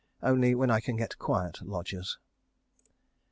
Only when I can get quiet lodgers.